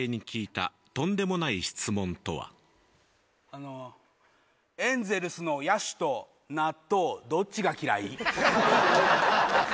あのエンゼルスの野手と納豆どっちが嫌い？